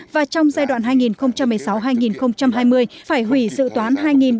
và trong giai đoạn hai nghìn một mươi sáu hai nghìn hai mươi phải hủy dự toán hai nghìn một mươi bốn hai nghìn hai mươi